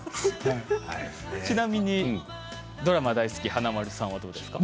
ちなみにドラマ大好き華丸さんは、どうですか？